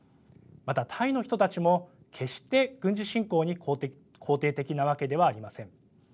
また、タイの人たちも決して軍事侵攻に肯定的なわけではありません。